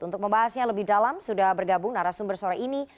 untuk membahasnya lebih dalam sudah bergabung narasumber sore ini